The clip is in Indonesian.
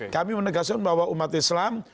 kami menegaskan bahwa umat islam